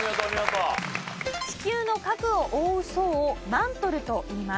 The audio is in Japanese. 地球の核を覆う層をマントルといいます。